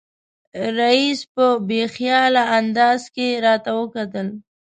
رییس په بې خیاله انداز کې راته وکتل.